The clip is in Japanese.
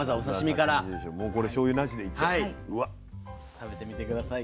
食べてみて下さい。